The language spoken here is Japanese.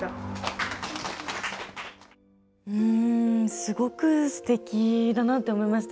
すごく、すてきだなと思いました。